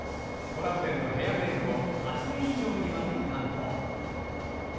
トラウデンのヘアメークを８年以上にわたり担当。